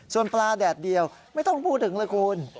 ส่วนปลาแดดเดียวไม่ต้องพูดถึงเลยคุณ